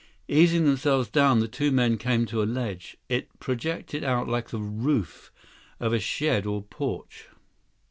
Easing themselves down, the two men came to a ledge. It projected out like the roof of a shed or porch.